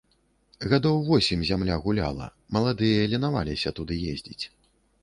Гадоў восем зямля гуляла, маладыя ленаваліся туды ездзіць.